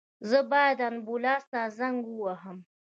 زه باید آنبولاس ته زنګ ووهم